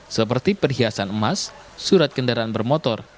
seperti perhiasan emas surat kendaraan bermotor